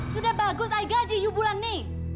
sudah bagus saya gaji kamu bulan ini